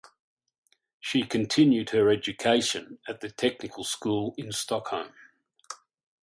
She continued her education at the Technical School in Stockholm.